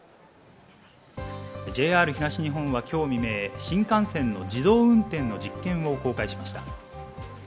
ＪＲ東日本は今日未明、新幹線の自動運転の実験を公開しました。